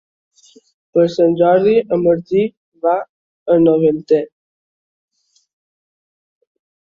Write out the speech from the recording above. Per Sant Jordi en Martí va a Novetlè.